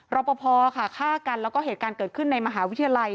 รอปภค่ะฆ่ากันแล้วก็เหตุการณ์เกิดขึ้นในมหาวิทยาลัย